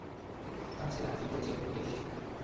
তার ছেলে টাকা চুরি করেছে এই গল্প কে বিশ্বাস করবে?